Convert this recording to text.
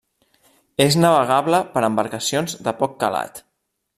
És navegable per embarcacions de poc calat.